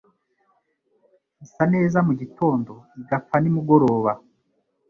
isa neza mu gitondo igapfa nimugoroba.